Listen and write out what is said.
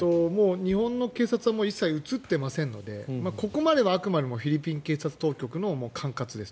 日本の警察は一切映っていませんのでここまではフィリピン警察当局の管轄ですと。